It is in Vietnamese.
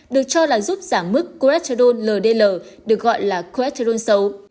được cho là giúp giảm mức craterol ldl được gọi là craterol xấu